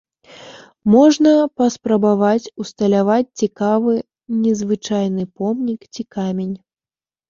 Можна паспрабаваць усталяваць цікавы незвычайны помнік ці камень.